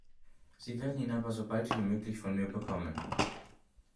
Sie werden ihn aber so bald wie möglich von mir bekommen.